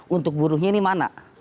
untuk buruhnya ini mana